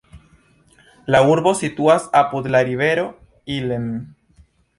La urbo situas apud la rivero Ilm.